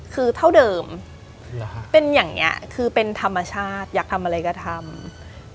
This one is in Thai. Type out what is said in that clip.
คือเท่าเดิมเป็นอย่างนี้คือเป็นธรรมชาติอยากทำอะไรก็ทำ